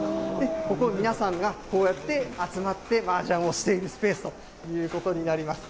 ここ、皆さんがこうやって集まってマージャンをしているスペースということになります。